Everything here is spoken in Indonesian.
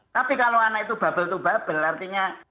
tapi kalau anak itu bubble to bubble artinya